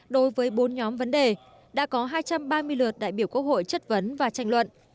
đối với bốn nhóm vấn đề đã có hai trăm ba mươi lượt đại biểu quốc hội chất vấn và tranh luận